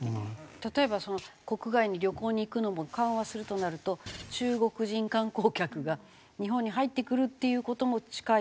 例えば国外に旅行に行くのも緩和するとなると中国人観光客が日本に入ってくるっていう事も近い。